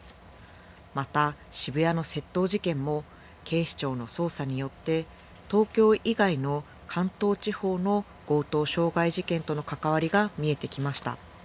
また、渋谷の窃盗事件も警視庁の捜査によって東京以外の関東地方の強盗傷害事件との関わりが見えてきました。